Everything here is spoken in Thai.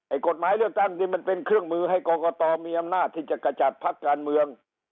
กฎหมายเลือกตั้งนี่มันเป็นเครื่องมือให้กรกตมีอำนาจที่จะกระจัดพักการเมือง